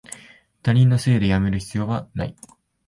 他人のせいでやめる必要はない